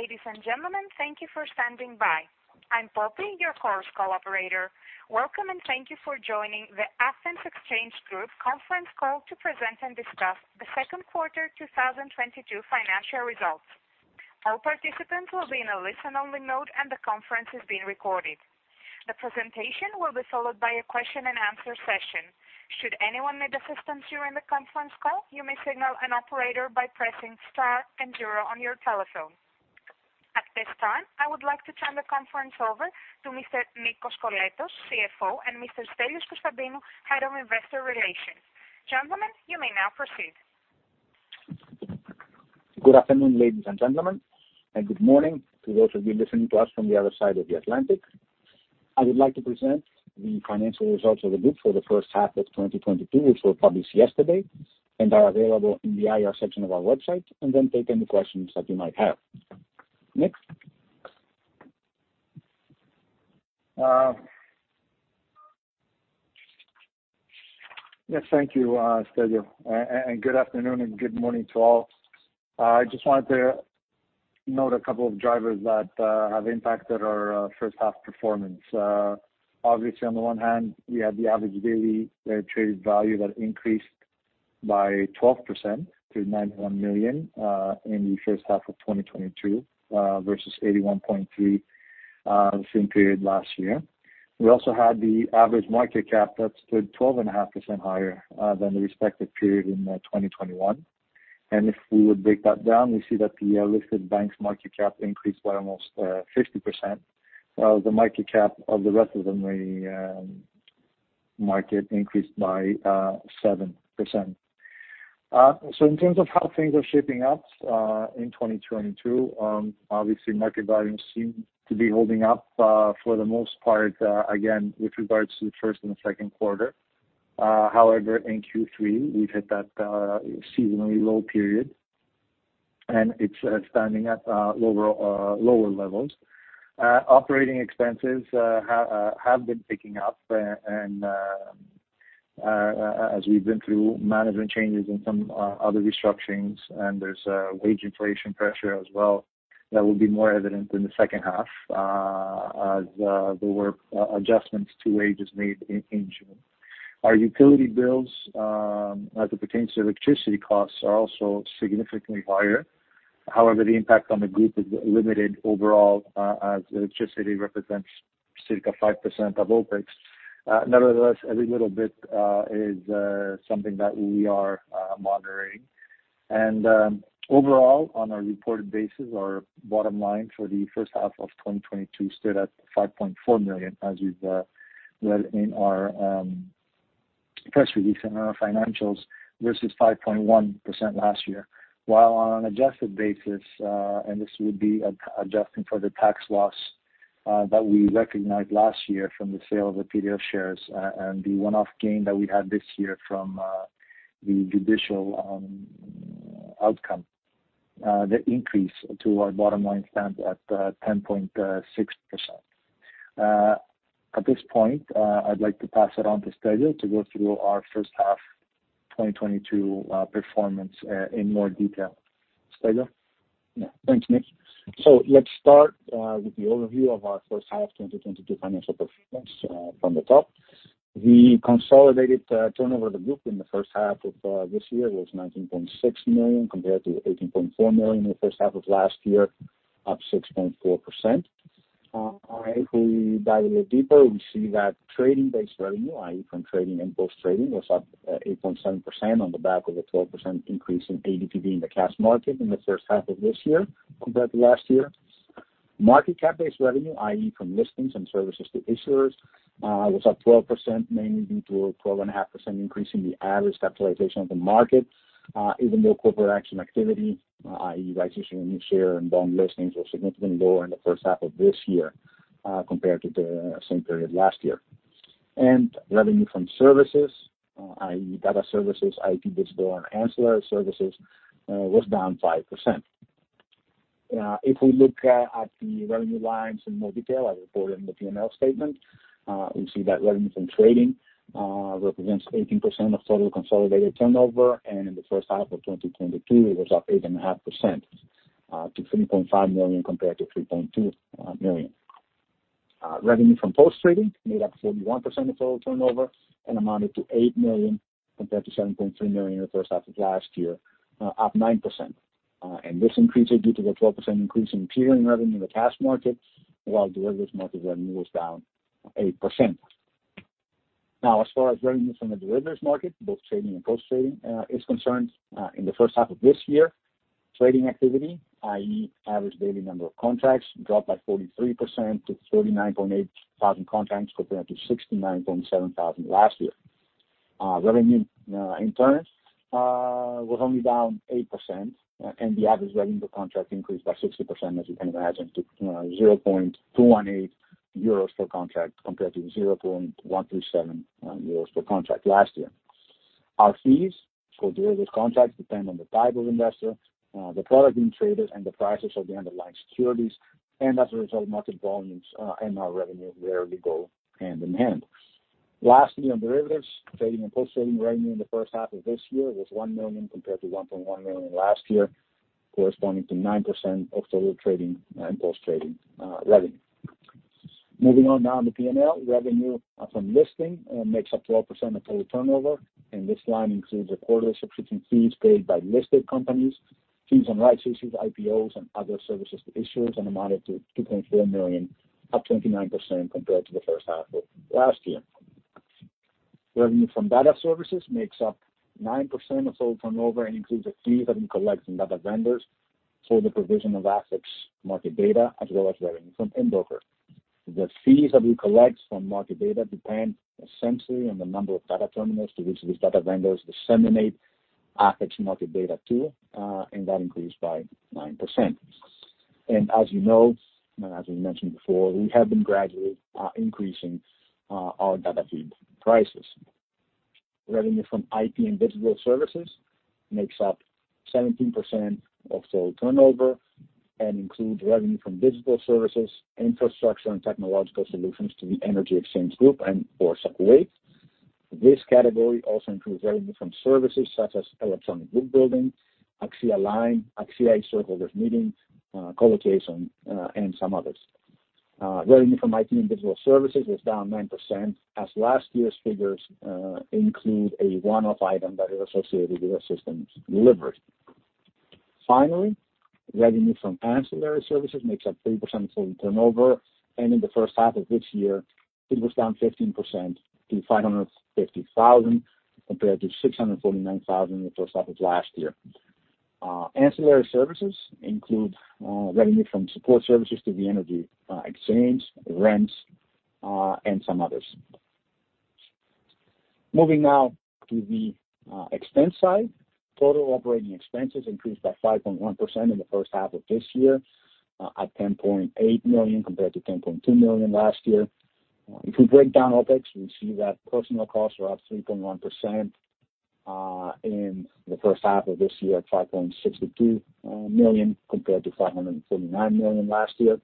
Ladies and gentlemen, thank you for standing by. I'm Poppy, your Chorus operator. Welcome, and thank you for joining the Athens Exchange Group conference call to present and discuss the second quarter 2022 financial results. All participants will be in a listen-only mode, and the conference is being recorded. The presentation will be followed by a question and answer session. Should anyone need assistance during the conference call, you may signal an operator by pressing star and zero on your telephone. At this time, I would like to turn the conference over to Mr. Nikos Koskoletos, CFO, and Mr. Stelios Konstantinou, Head of Investor Relations. Gentlemen, you may now proceed. Good afternoon, ladies and gentlemen, and good morning to those of you listening to us from the other side of the Atlantic. I would like to present the financial results of the group for the first half of 2022, which were published yesterday and are available in the IR section of our website, and then take any questions that you might have. Next. Yes, thank you, Stelios, and good afternoon and good morning to all. I just wanted to note a couple of drivers that have impacted our first half performance. Obviously, on the one hand, we had the Average Daily Traded Value that increased by 12% to 91 million in the first half of 2022 versus 81.3 million the same period last year. We also had the average market cap that stood 12.5% higher than the respective period in 2021. If we would break that down, we see that the listed banks market cap increased by almost 50%, the market cap of the rest of the market increased by 7%. In terms of how things are shaping up in 2022, obviously market volumes seem to be holding up for the most part, again, with regards to the first and the second quarter. However, in Q3, we've hit that seasonally low period, and it's standing at lower levels. Operating expenses have been picking up, and as we've been through management changes and some other restructurings, and there's a wage inflation pressure as well that will be more evident in the second half, as there were adjustments to wages made in June. Our utility bills, as it pertains to electricity costs, are also significantly higher. However, the impact on the group is limited overall, as electricity represents circa 5% of OpEx. Nevertheless, every little bit is something that we are monitoring. Overall, on a reported basis, our bottom line for the first half of 2022 stood at 5.4 million, as we've read in our press release and our financials versus 5.1 million last year. While on an adjusted basis, and this would be adjusting for the tax loss that we recognized last year from the sale of the PPC shares, and the one-off gain that we had this year from the judicial outcome, the increase to our bottom line stands at 10.6%. At this point, I'd like to pass it on to Stelios to go through our first half 2022 performance in more detail. Stelios? Yeah. Thanks, Nick. Let's start with the overview of our first half 2022 financial performance from the top. The consolidated turnover of the group in the first half of this year was 19.6 million compared to 18.4 million in the first half of last year, up 6.4%. If we dive a little deeper, we see that trading-based revenue, i.e., from trading and post-trading, was up 8.7% on the back of a 12% increase in ADTV in the cash market in the first half of this year compared to last year. Market cap-based revenue, i.e., from listings and services to issuers, was up 12%, mainly due to a 12.5% increase in the average capitalization of the market, even though corporate action activity, i.e., rights issue, new share, and bond listings, were significantly lower in the first half of this year, compared to the same period last year. Revenue from services, i.e., data services, IT, digital, and ancillary services, was down 5%. If we look at the revenue lines in more detail, as reported in the P&L statement, we see that revenue from trading represents 18% of total consolidated turnover, and in the first half of 2022, it was up 8.5% to 3.5 million compared to 3.2 million. Revenue from post-trading made up 41% of total turnover and amounted to 8 million compared to 7.3 million in the first half of last year, up 9%. This increase is due to the 12% increase in clearing revenue in the cash market, while derivatives market revenue was down 8%. Now, as far as revenue from the derivatives market, both trading and post-trading, is concerned, in the first half of this year, trading activity, i.e., average daily number of contracts, dropped by 43% to 39.8 thousand contracts compared to 69.7 thousand last year. Revenue, in turn, was only down 8%, and the average revenue per contract increased by 60%, as you can imagine, to, you know, 0.218 euros per contract compared to 0.137 euros per contract last year. Our fees for derivatives contracts depend on the type of investor, the product being traded, and the prices of the underlying securities, and as a result, market volumes, and our revenue rarely go hand in hand. Last year, derivatives trading and post-trading revenue in the first half of this year was 1 million compared to 1.1 million last year, corresponding to 9% of total trading and post-trading revenue. Moving on now to P&L, revenue from listing makes up 12% of total turnover, and this line includes a quarterly subscription fees paid by listed companies, fees on rights issues, IPOs, and other services to issuers, an amount of 2.4 million, up 29% compared to the first half of last year. Revenue from data services makes up 9% of total turnover and includes a fee that we collect from data vendors for the provision of ATHEX market data, as well as revenue from InBroker. The fees that we collect from market data depend essentially on the number of data terminals to which these data vendors disseminate ATHEX market data to, and that increased by 9%. As you know, and as we mentioned before, we have been gradually increasing our data feed prices. Revenue from IT and digital services makes up 17% of total turnover and includes revenue from digital services, infrastructure and technological solutions to the Hellenic Energy Exchange and Boursa Kuwait. This category also includes revenue from services such as Electronic Book Building, AXIAline, AXIA e-Shareholders' Meeting, colocation, and some others. Revenue from IT and digital services was down 9%, as last year's figures include a one-off item that is associated with the systems delivered. Finally, revenue from ancillary services makes up 3% of total turnover, and in the first half of this year, it was down 15% to 550 thousand compared to 649 thousand in the first half of last year. Ancillary services include revenue from support services to the Hellenic Energy Exchange, rents, and some others. Moving now to the expense side. Total operating expenses increased by 5.1% in the first half of this year at 10.8 million compared to 10.2 million last year. If we break down OpEx, we see that personal costs are up 3.1% in the first half of this year at 5.62 million compared to 5.49 million last year.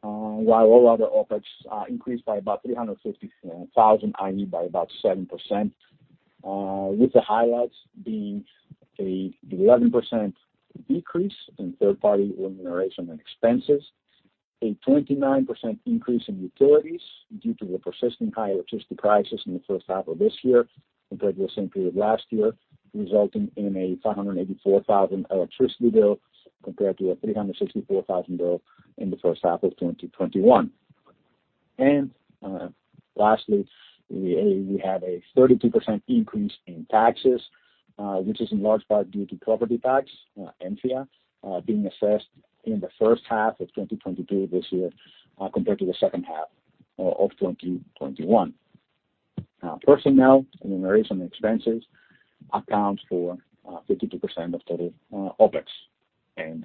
While all other OpEx increased by about 350 thousand, i.e. By about 7%, with the highlights being an 11% decrease in third-party remuneration and expenses, a 29% increase in utilities due to the persisting high electricity prices in the first half of this year compared to the same period last year, resulting in an 584 thousand electricity bill compared to an 3,64000 bill in the first half of 2021. Lastly, we have a 32% increase in taxes, which is in large part due to property tax, ENFIA, being assessed in the first half of 2022 this year, compared to the second half of 2021. Personnel remuneration expenses account for 52% of total OpEx.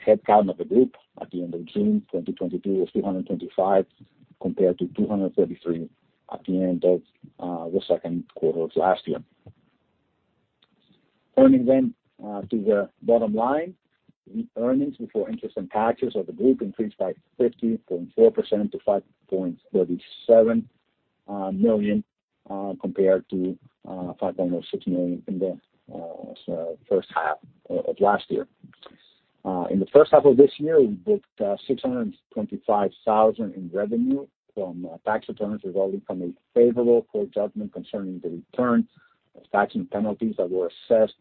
Headcount of the group at the end of June 2022 is 325 compared to 233 at the end of the second quarter of last year. Earnings before interest and taxes of the group increased by 50.4% to 5.37 million compared to 5.6 million in the first half of last year. In the first half of this year, we booked 625 thousand in revenue from tax returns resulting from a favorable court judgment concerning the return of tax and penalties that were assessed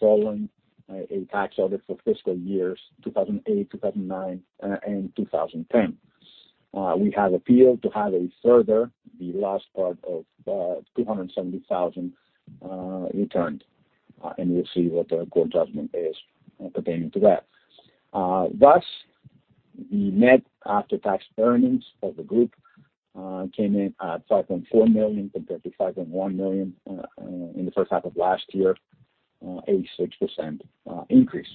following a tax audit for fiscal years 2008, 2009, and 2010. We have appealed to have a further the last part of 270,000 returned, and we'll see what the court judgment is pertaining to that. Thus the net after-tax earnings of the group came in at 5.4 million compared to 5.1 million in the first half of last year, a 6% increase.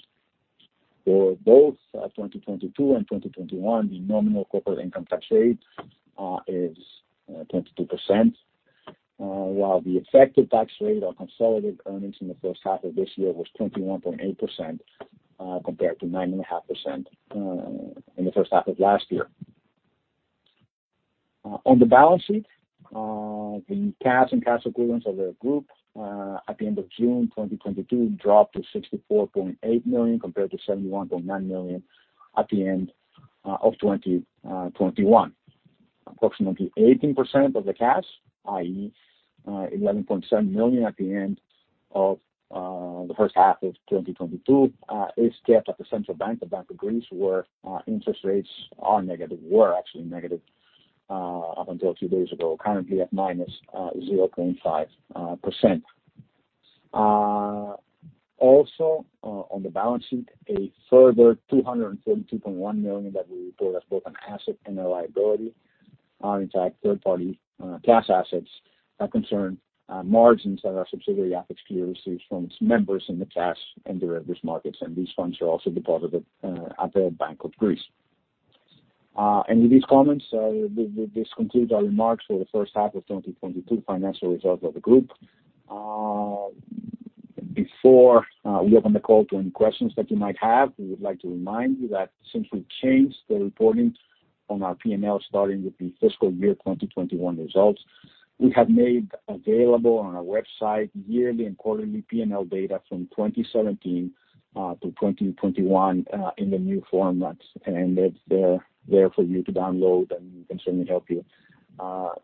For both 2022 and 2021, the nominal corporate income tax rate is 22% while the effective tax rate on consolidated earnings in the first half of this year was 21.8% compared to 9.5% in the first half of last year. On the balance sheet, the cash and cash equivalents of the group at the end of June 2022 dropped to 64.8 million compared to 71.9 million at the end of 2021. Approximately 18% of the cash, i.e., 11.7 million at the end of the first half of 2022, is kept at the Central Bank, the Bank of Greece, where interest rates are negative, were actually negative up until a few days ago, currently at -0.5%. Also on the balance sheet, a further 232.1 million that we report as both an asset and a liability are in fact third party cash assets that concern margins that our subsidiary ATHEXClear receives from its members in the cash and derivatives markets, and these funds are also deposited at the Bank of Greece. With these comments, this concludes our remarks for the first half of 2022 financial results of the group. Before we open the call to any questions that you might have, we would like to remind you that since we've changed the reporting on our P&L starting with the fiscal year 2021 results, we have made available on our website yearly and quarterly P&L data from 2017 to 2021 in the new formats. It's there for you to download, and we can certainly help you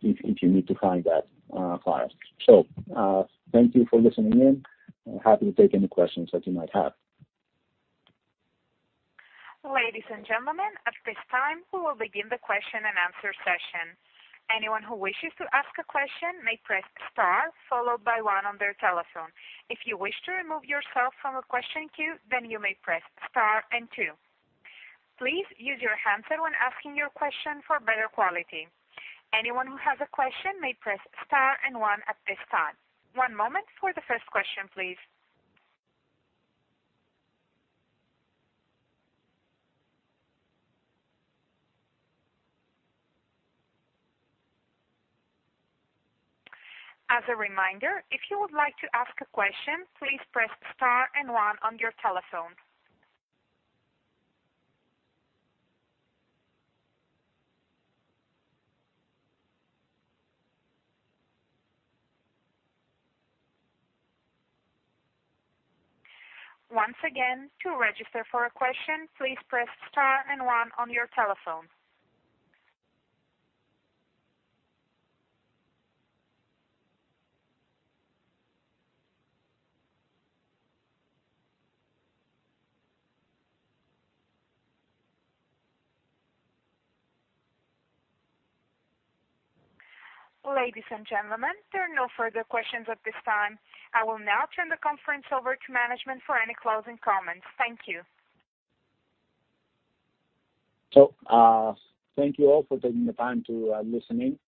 if you need to find that file. Thank you for listening in, and happy to take any questions that you might have. Ladies and gentlemen, at this time, we will begin the question-and-answer session. Anyone who wishes to ask a question may press star followed by one on their telephone. If you wish to remove yourself from a question queue, then you may press star and two. Please use your handset when asking your question for better quality. Anyone who has a question may press star and one at this time. One moment for the first question, please. As a reminder, if you would like to ask a question, please press star and one on your telephone. Once again, to register for a question, please press star and one on your telephone. Ladies and gentlemen, there are no further questions at this time. I will now turn the conference over to management for any closing comments. Thank you. Thank you all for taking the time to listen in.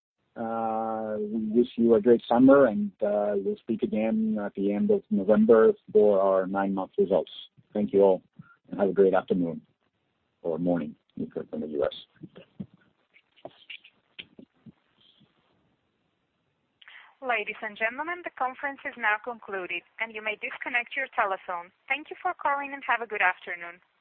We wish you a great summer, and we'll speak again at the end of November for our nine-month results. Thank you all, and have a great afternoon or morning if you're from the U.S. Ladies and gentlemen, the conference is now concluded, and you may disconnect your telephone. Thank you for calling, and have a good afternoon.